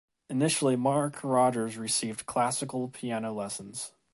Initially Mark Rogers received classical piano lessons.